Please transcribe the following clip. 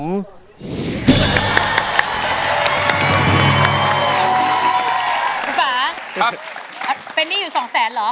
คุณฟ้าเป็นหนี้อยู่๒๐๐๐๐๐หรอ